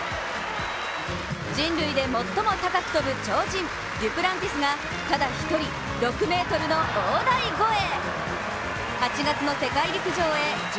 人類で最も高く跳ぶ鳥人、デュプランティスがただ一人、６ｍの大台超え。